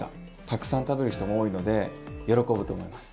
たくさん食べる人も多いので喜ぶと思います。